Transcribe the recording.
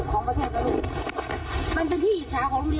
กูบอกเลยนะว่าถ้าไม่ภูมิใจอย่างก่อนเป็นยะมะออกไป